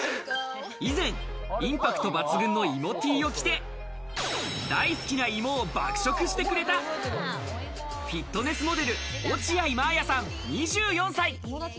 以前、インパクト抜群の芋Ｔを着て、大好きな芋を爆食してくれたフィットネスモデル・落合真彩さん、２４歳。